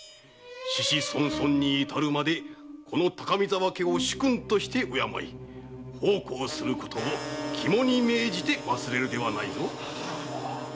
子々孫々に至るまでこの高見沢家を主君として敬い奉公することを肝に銘じて忘れるではないぞ〕